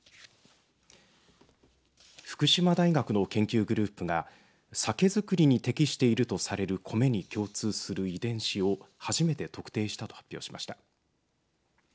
福島大学の研究グループが酒造りに適しているとされる米に共通する遺伝子を初めて特定したと発表しました。